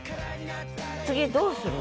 次どうする？